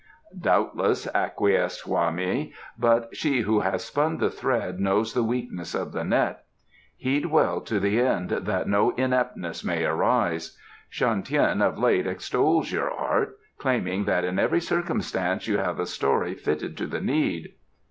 "Doubtless," acquiesced Hwa mei. "But she who has spun the thread knows the weakness of the net. Heed well to the end that no ineptness may arise. Shan Tien of late extols your art, claiming that in every circumstance you have a story fitted to the need."